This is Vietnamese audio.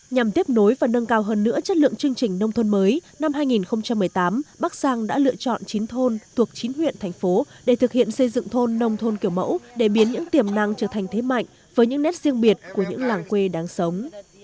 nhằm tiếp nối và nâng cao hơn nữa chất lượng chương trình nông thôn mới năm hai nghìn một mươi tám bắc sang đã lựa chọn chín thôn thuộc chín huyện thành phố để thực hiện xây dựng thôn nông thôn kiểu mẫu để biến những tiềm năng trở thành thế mạnh với những nét riêng biệt của những làng quê đáng sống